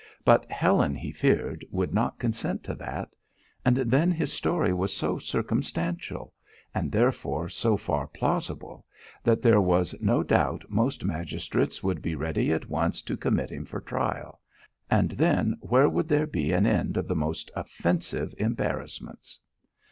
But Helen, he feared, would not consent to that. And then his story was so circumstantial and therefore so far plausible that there was no doubt most magistrates would be ready at once to commit him for trial and then where would there be an end of the most offensive embarrassments!